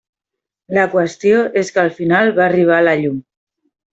La qüestió és que al final va arribar la llum.